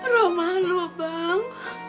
roh malu bang